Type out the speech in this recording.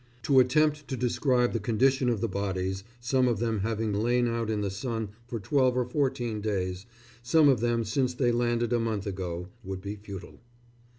To attempt to describe the condition of the bodies, some of them having lain out in the sun for twelve or fourteen days, some of them since they landed a month ago, would be futile....